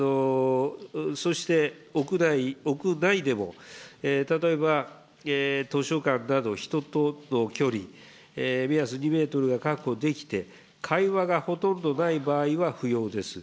そして、屋内でも、図書館など、人との距離、目安２メートルが確保できて、会話がほとんどない場合は不要です。